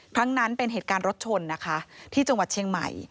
ครั้งนั้นเป็นเหตุการณ์รถชนนะคะที่จังหวัดเชียงใหม่